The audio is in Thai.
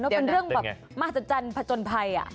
มันเป็นเรื่องแบบมาศจรรย์พัจจนภัย